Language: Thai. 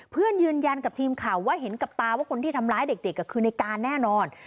ยืนยันกับทีมข่าวว่าเห็นกับตาว่าคนที่ทำร้ายเด็กคือในการแน่นอน